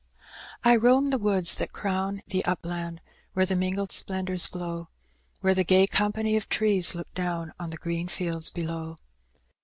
I roam the woods that crown The upland, where the mingled splendours glow, Where the gay company of trees look down On the green fields below.